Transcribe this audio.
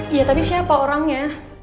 iya tapi siapa orangnya